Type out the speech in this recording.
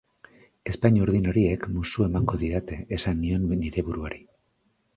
Ezpain urdin horiek musu emango didate, esan nion neure buruari.